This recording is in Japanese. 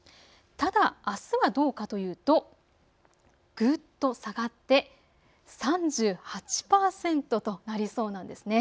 ただ、あすはどうかというとぐっと下がって３８％となりそうなんですね。